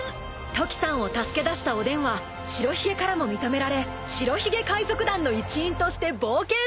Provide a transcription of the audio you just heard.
［トキさんを助け出したおでんは白ひげからも認められ白ひげ海賊団の一員として冒険することに］